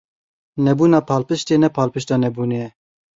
Nebûna palpiştê, ne palpişta nebûnê ye.